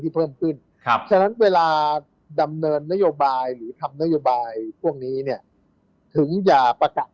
ที่เพิ่มขึ้นเวลาดำเนินนโยบายหรือทำนโยบายพวกนี้ถึงอย่าประกาศ